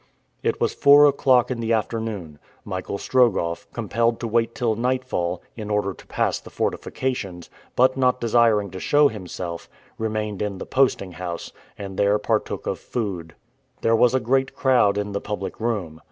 It was four o'clock in the afternoon. Michael Strogoff, compelled to wait till nightfall, in order to pass the fortifications, but not desiring to show himself, remained in the posting house, and there partook of food. There was a great crowd in the public room.